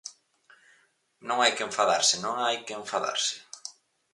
Non hai que enfadarse, non hai que enfadarse.